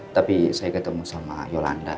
tapi saya ketemu sama yolanda